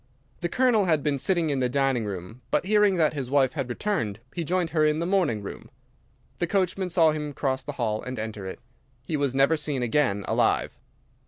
The Colonel had been sitting in the dining room, but hearing that his wife had returned he joined her in the morning room. The coachman saw him cross the hall and enter it. He was never seen again alive.